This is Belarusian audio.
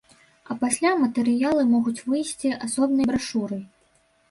А пасля матэрыялы могуць выйсці асобнай брашурай.